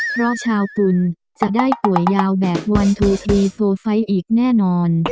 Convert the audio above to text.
เพราะชาวตุลจะได้ป่วยยาวแบบวันโทไฟอีกแน่นอน